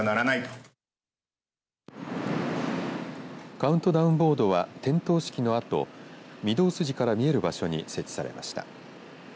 カウントダウンボードは点灯式のあと御堂筋から見える場所に設置されました。